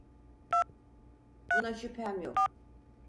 Buna şüphem yok.